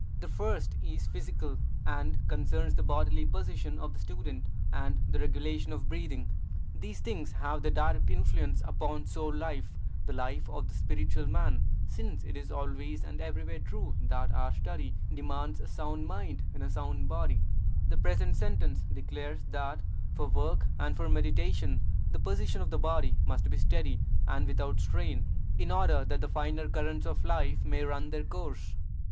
The first is physical, and concerns the bodily position of the student, and the regulation of breathing. These things have their direct influence upon soul life, the life of the spiritual man, since it is always and everywhere true that our study demands a sound mind in a sound body. The present sentence declares that, for work and for meditation, the position of the body must be steady and without strain, in order that the finer currents of life may run their course.